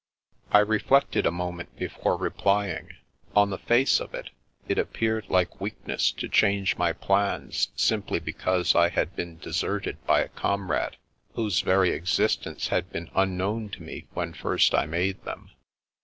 I reflected a moment before replying. On the face of it, it appeared like weakness to change my plans simply because I had been deserted by a com rade whose very existence had been imknown to me when first I made them.